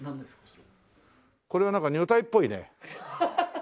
これはなんか女体っぽいね。